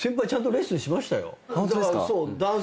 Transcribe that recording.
ホントですか⁉